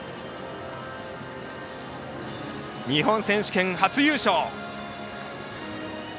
日本選手権、初優勝。